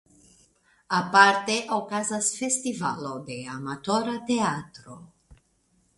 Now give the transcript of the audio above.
Aparte okazas festivalo de amatora teatro.